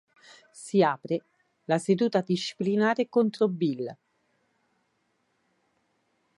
Si apre la seduta disciplinare contro Bill.